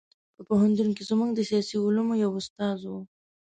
په پوهنتون کې زموږ د سیاسي علومو یو استاد و.